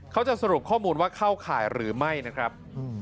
สรุปข้อมูลว่าเข้าข่ายหรือไม่นะครับ